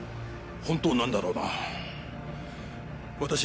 本当なんだろうな？